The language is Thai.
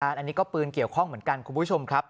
อันนี้ก็ปืนเกี่ยวข้องเหมือนกันคุณผู้ชมครับ